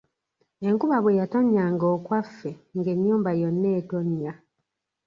Enkuba bwe yatonnyanga okwaffe ng’ennyumba yonna etonnya.